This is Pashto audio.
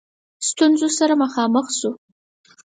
ستونزو سره مخامخ شو.